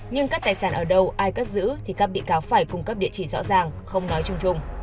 nhưng các tài sản ở đâu ai cất giữ thì các bị cáo phải cung cấp địa chỉ rõ ràng không nói chung chung